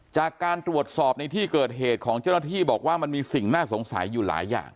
จากการตรวจสอบในที่เกิดเหตุของเจ้าหน้าที่บอกว่ามันมีสิ่งน่าสงสัยอยู่หลายอย่าง